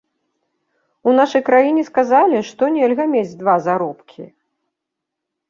У нашай краіне сказалі, што нельга мець два заробкі.